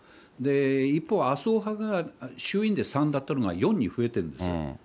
一方、麻生派が衆院で３だったのが４に増えてるんですよ。